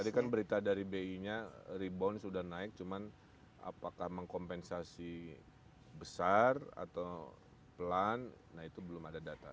tadi kan berita dari bi nya rebound sudah naik cuman apakah mengkompensasi besar atau pelan nah itu belum ada data